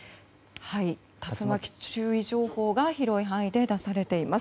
竜巻注意情報が広い範囲で出されています。